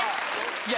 いや